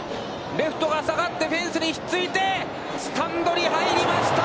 レフトが下がって、フェンスにひっついてスタンドに入りました！